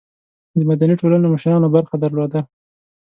د مدني ټولنو مشرانو برخه درلوده.